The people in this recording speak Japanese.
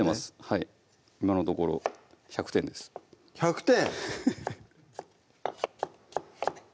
はい今のところ１００点です１００点！